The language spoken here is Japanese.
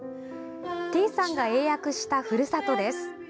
ｔｅａさんが英訳した「ふるさと」です。